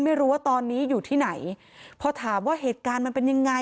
ไม่รู้ว่าตอนนี้อยู่ที่ไหนพอถามว่าเหตุการณ์มันเป็นยังไง